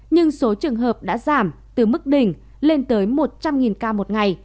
nhưng số trường hợp đã giảm từ mức đỉnh lên tới một trăm linh ca một ngày